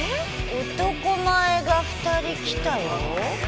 男前が２人来たよ。